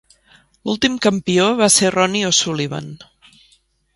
L'últim campió va ser Ronnie O'Sullivan.